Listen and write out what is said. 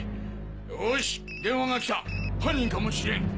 よし電話が来た犯人かもしれん。